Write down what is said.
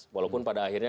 walaupun pada akhirnya